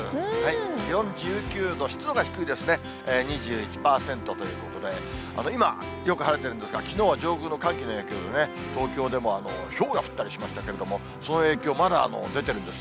気温１９度、湿度が低いですね、２１％ということで、今、よく晴れてるんですが、きのうは上空の寒気の影響でね、東京でもひょうが降ったりしましたけれども、その影響、まだ出てるんです。